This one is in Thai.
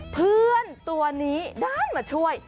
เพื่อนตัวนี้ด้านมาช่วย